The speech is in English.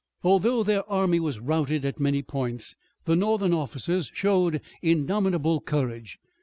Although their army was routed at many points the Northern officers showed indomitable courage.